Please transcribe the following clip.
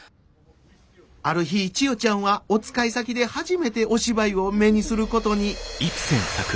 ある日千代ちゃんはお使い先で初めてお芝居を目にすることに。